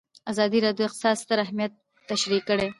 ازادي راډیو د اقتصاد ستر اهميت تشریح کړی.